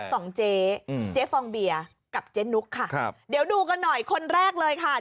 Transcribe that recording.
เจ๊เจ๊ฟองเบียร์กับเจ๊นุ๊กค่ะครับเดี๋ยวดูกันหน่อยคนแรกเลยค่ะ